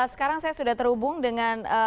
sekarang saya sudah terhubung dengan